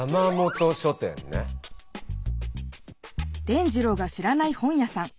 伝じろうが知らない本屋さん。